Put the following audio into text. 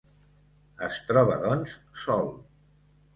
Es troba doncs sol.